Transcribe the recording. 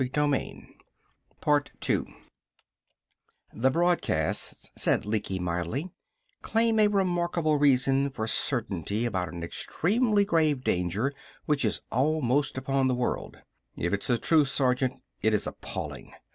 "The broadcasts," said Lecky mildly, "claim a remarkable reason for certainty about an extremely grave danger which is almost upon the world. If it's the truth, Sergeant, it is appalling.